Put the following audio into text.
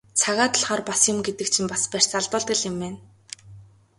Цагаа тулахаар бас юм гэдэг чинь бас барьц алдуулдаг л юм байна.